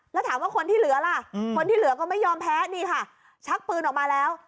แล้วถามว่าคนที่เหลือล่ะคนที่เหลือก็ไม่ยอมแพ้นี่ค่ะชักปืนออกมาแล้ว